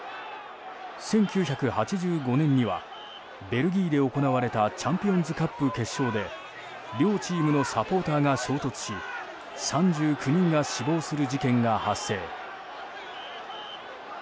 １９８５年にはベルギーで行われたチャンピオンズカップ決勝で両チームのサポーターが衝突し３９人が死亡する事件が発生。